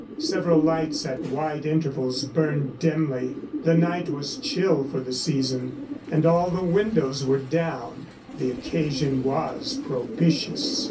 Several lights at wide intervals burned dimly. The night was chill for the season, and all the windows were down. The occasion was propitious.